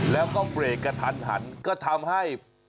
แล้วก็เบรกกระทันหันก็ทำให้